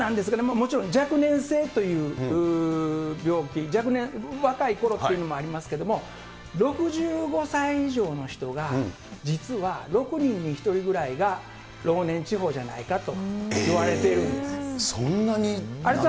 もちろん若年性という病気、若年、若い頃っていうのもありますけれども、６５歳以上の人が、実は６人に１人ぐらいは老年痴ほうじゃないかといわれているんでそんなになんですね。